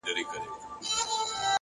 لوړې هیلې لوړې هڅې غواړي.!